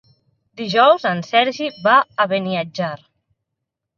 Dijous en Sergi va a Beniatjar.